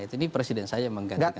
ini presiden saya yang menggantikan saya